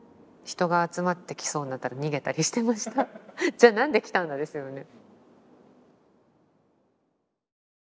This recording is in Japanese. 「じゃあ何で来たんだ？」ですよね。